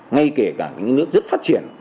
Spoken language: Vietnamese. ngay kể cả những nước rất phát triển